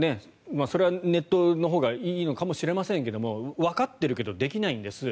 それはネットのほうがいいのかもしれませんけどわかっているけどできないんです。